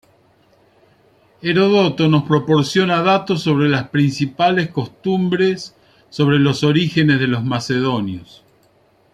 Heródoto nos proporciona datos sobres las principales costumbres sobre los orígenes de los macedonios.